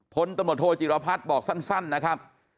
พนธทหจิลภัทภ์บอกสั้นนะครับ